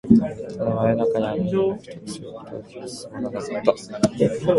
ただ、真夜中にあの家に帰宅することは気が進まなかった